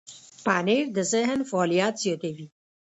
پنېر د ذهن فعالیت زیاتوي.